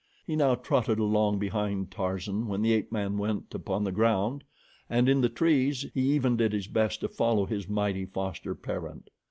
He now trotted along behind Tarzan when the ape man went upon the ground, and in the trees he even did his best to follow his mighty foster parent.